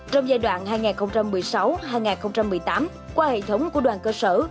trong giai đoạn hai nghìn một mươi sáu hai nghìn một mươi tám qua hệ thống của đoàn cơ sở